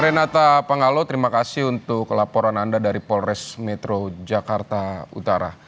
renata pangalo terima kasih untuk laporan anda dari polres metro jakarta utara